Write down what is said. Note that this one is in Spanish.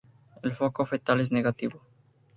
El foco fetal es negativo.